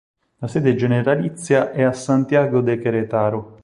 La sede generalizia è a Santiago de Querétaro.